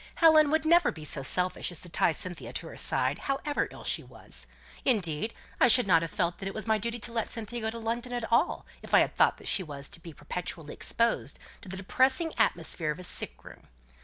"Helen would never be so selfish as to tie Cynthia to her side, however ill she was. Indeed, I should not have felt that it was my duty to let Cynthia go to London at all, if I had thought she was to be perpetually exposed to the depressing atmosphere of a sick room.